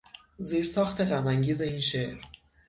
زیرساخت غمانگیز این شعر